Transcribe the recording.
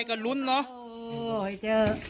เผกลง